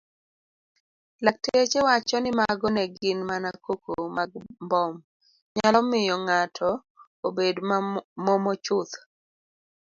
Lakteche wacho nimago negin mana koko magmbom nyalo miyo ng'ato obed momochuth.